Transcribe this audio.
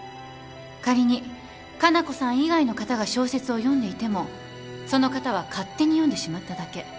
仮に加奈子さん以外の方が小説を読んでいてもその方は勝手に読んでしまっただけ。